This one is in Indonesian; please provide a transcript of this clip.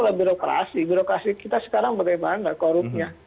kalau birokrasi birokrasi kita sekarang bagaimana korupnya